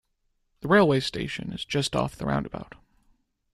The railway station is just off the roundabout